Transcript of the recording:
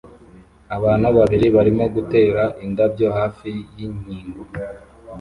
Abantu babiri barimo gutera indabyo hafi yinkingi